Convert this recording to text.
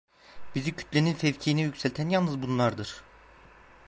Bizi kütlenin fevkine yükselten yalnız bunlardır.